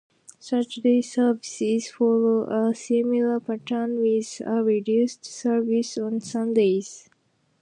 Saturday services follow a similar pattern with a reduced service on Sundays.